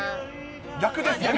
逆ですね。